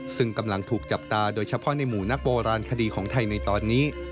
ซึ่งกำลังถูกจับตาโดยเฉพาะในหมู่นักโบราณคดีของไทยในตอนนี้